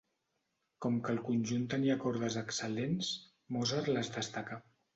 Com que el conjunt tenia cordes excel·lents, Mozart les destacà.